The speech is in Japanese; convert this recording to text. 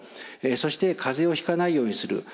そして風邪をひかないようにする。